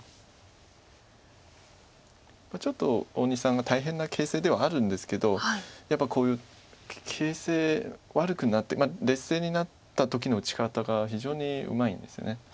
ちょっと大西さんが大変な形勢ではあるんですけどやっぱりこういう形勢悪くなって劣勢になった時の打ち方が非常にうまいんですよね。